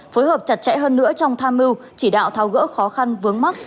phối hợp chặt chẽ hơn nữa trong tham mưu chỉ đạo thao gỡ khó khăn vướng mắt